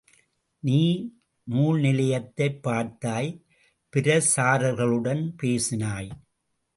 நீ நூல் நிலையத்தைப் பார்த்தாய், பிரசாரகர்களுடன் பேசினாய்.